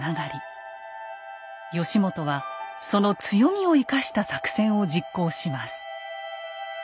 義元はその強みを生かした作戦を実行します。